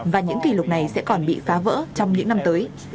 và những kỷ lục này sẽ còn bị phá vỡ trong những năm tới